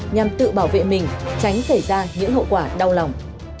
nhằm tự bảo vệ mình tránh xảy ra những hậu quả đau lòng